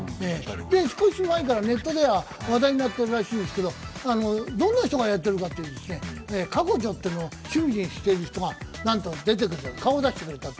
少し前からネットでは話題になっているらしいんですが、どんな人がやってるかというとカコジョというのが趣味にしている人がなんと出てくれて、顔を出してくれました。